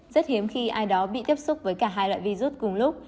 rất hiếm khi ai đó bị tiếp xúc với cả hai loại virus cùng lúc